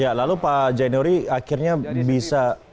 ya lalu pak jainuri akhirnya bisa menyelamatkan diri